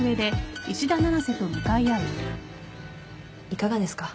いかがですか？